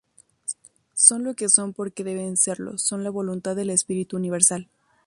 Son lo que son porque deben serlo, "son la voluntad del Espíritu Universal".